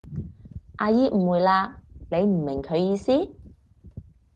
阿姨誤會喇，你唔明佢意思？